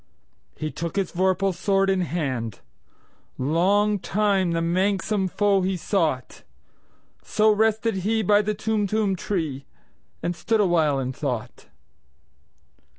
He took his vorpal sword in hand:Long time the manxome foe he sought—So rested he by the Tumtum tree, And stood awhile in thought.